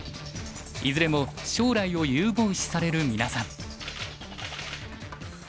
いずれも将来を有望視される皆さん。